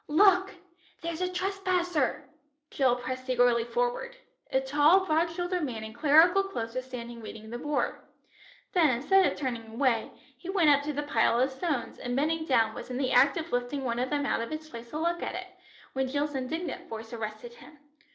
"Look! there's a trespasser." Jill pressed eagerly forward. A tall broad shouldered man in clerical clothes was standing reading the board. Then instead of turning away, he went up to the pile of stones, and bending down was in the act of lifting one of them out of its place to look at it, when Jill's indignant voice arrested him.